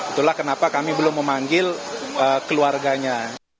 itulah kenapa kami belum memanggil keluarganya